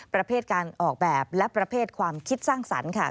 ประเภทการออกแบบและประเภทความคิดสร้างสรรค์